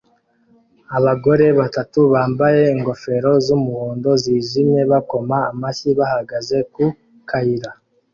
Abagore batatu bambaye ingofero z'umuhondo zijimye bakoma amashyi bahagaze ku kayira